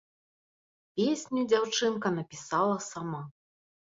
Песню дзяўчынка напісала сама.